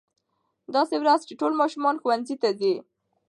داسې ورځ چې ټول ماشومان ښوونځي ته ځي.